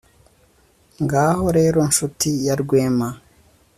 ngaho rero nshuti ya rwema